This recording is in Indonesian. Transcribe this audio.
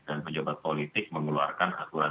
dan pejabat politik mengeluarkan aturan